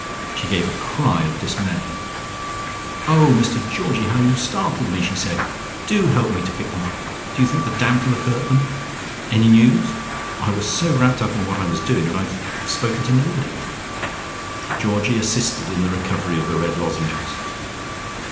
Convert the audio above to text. She gave a cry of dismay. "Oh! Mr Georgie, how you startled me" she said. "Do help me to pick them up. Do you think the damp will have hurt them? Any news? I was so wrapped up in what I was doing that I've spoken to nobody." Georgie assisted in the recovery of the red lozenges.